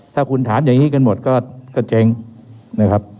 ถ้าคุณถามอย่างนี้กันหมดก็เจ๊งนะครับ